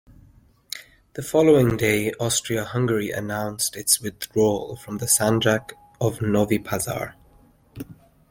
The following day, Austria-Hungary announced its withdrawal from the Sanjak of Novi Pazar.